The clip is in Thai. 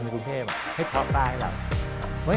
ในกรุงเทพให้พร้อมได้ให้เรา